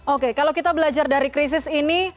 oke kalau kita belajar dari krisis ini